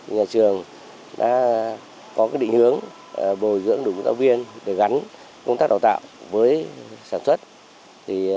nhà trường đã có định hướng bồi dưỡng đủ công tác viên để gắn công tác đào tạo với sản xuất